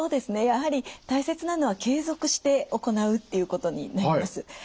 やはり大切なのは継続して行うっていうことになります。